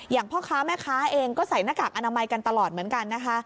พ่อค้าแม่ค้าเองก็ใส่หน้ากากอนามัยกันตลอดเหมือนกันนะคะ